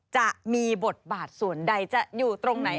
จะมีบทบาทส่วนใดจะอยู่ตรงไหน